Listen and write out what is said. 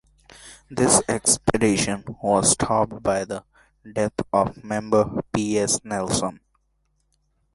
This expedition was stopped by the death of member P. S. Nelson.